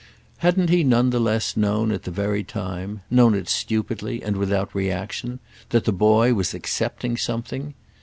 Hadn't he none the less known at the very time—known it stupidly and without reaction—that the boy was accepting something?